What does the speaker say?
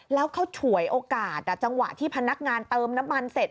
แล้วเขาฉวยโอกาสจังหวะที่พนักงานเติมน้ำมันเสร็จ